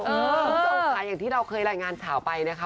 โดยโอกาสอย่างที่เราเคยรายงานสาวไปนะคะ